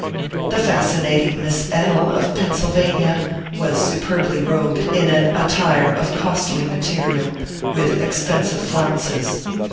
The fascinating Miss L , of Pennsylvania, was superbly robed in an attire of costly material, with expensive flounces.